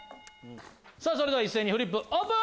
それでは一斉にフリップオープン！